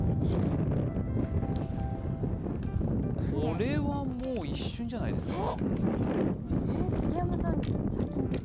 これはもう一瞬じゃないですか？